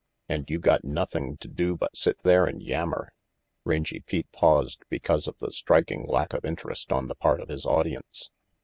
An' you got nothing to do but sit there and yammer " Rangy Pete paused because of the striking lack of interest on the part of his audience.